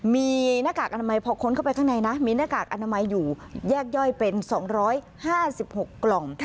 มีหน้ากากอนามัยพอค้นเข้าไปข้างในนะมีหน้ากากอนามัยอยู่แยกย่อยเป็น๒๕๖กล่อง